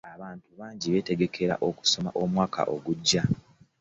Abantu bangi betegekera okusoma omwaka ogujja.